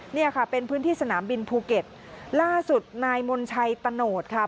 เนี่ยค่ะเป็นพื้นที่สนามบินภูเก็ตล่าสุดนายมนชัยตะโนธค่ะ